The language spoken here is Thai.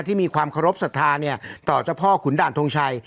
ที่มีความขอรบศรัทธาเนี้ยต่อเจ้าพ่อขุนด่านทงชัย